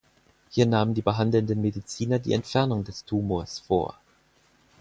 Hier nahmen die behandelnden Mediziner die Entfernung des Tumors vor.